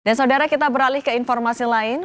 dan saudara kita beralih ke informasi lain